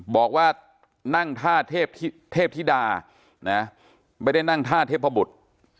บอกว่านั่งท่าเทพธิดาไม่ได้นั่งท่าเทพบุตร